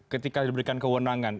ketika diberikan kewenangan